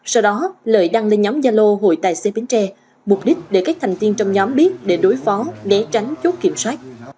sau đó lợi đăng lên nhóm gia lô hội tài xế bến tre mục đích để các thành viên trong nhóm biết để đối phó đế tránh chốt kiểm soát